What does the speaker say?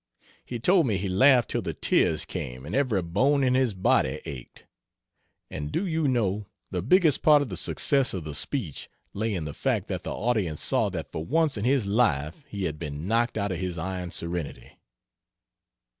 He told me he laughed till the tears came and every bone in his body ached. (And do you know, the biggest part of the success of the speech lay in the fact that the audience saw that for once in his life he had been knocked out of his iron serenity.)